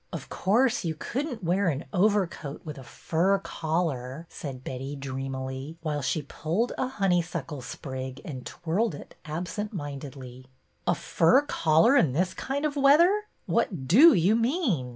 Of course you could n't wear an overcoat with a fur collar," said Betty, dreamily, while she pulled a honeysuckle sprig, and twirled it absent mindedly. A fur collar this kind of weather ! What do you mean